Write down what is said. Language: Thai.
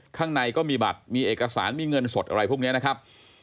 ข้างในก็มีบัตรมีเอกสารมีเงินสดอะไรพวกนี้นะครับ